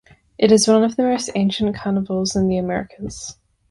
It is one of the most ancient carnivals in the Americas.